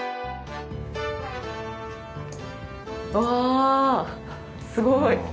あすごい！